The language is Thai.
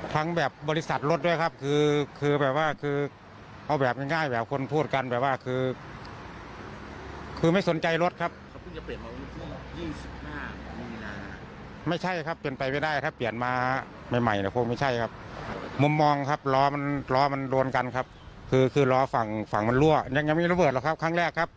ให้ความคิดเห็นเกี่ยวกับเรื่องนี้หน่อยนะคะ